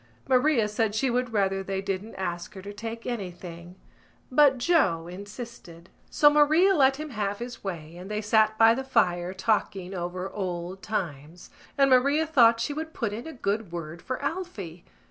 Maria said she would rather they didn't ask her to take anything: but Joe insisted. So Maria let him have his way and they sat by the fire talking over old times and Maria thought she would put in a good word for Alphy.